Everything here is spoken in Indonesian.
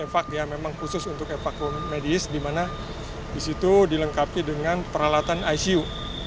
heli evakuasi yang memang khusus untuk evakuasi medis dimana disitu dilengkapi dengan peralatan icu